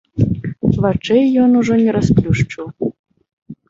Вачэй ён ужо і не расплюшчыў.